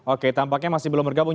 oke tampaknya masih belum bergabung